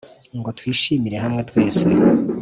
ngo twishimire hamwe twese